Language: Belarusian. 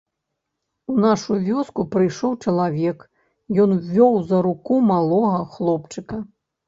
У нашу вёску прыйшоў чалавек, ён вёў за руку малога хлопчыка.